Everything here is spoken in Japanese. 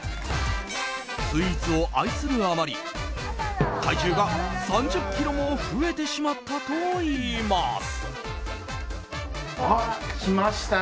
スイーツを愛するあまり体重が３０ｋｇも増えてしまったといいます。